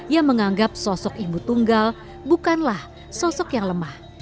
yang menganggap sosok ibu tunggal bukanlah sosok yang lemah